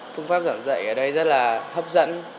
phương pháp giảng dạy ở đây rất là hấp dẫn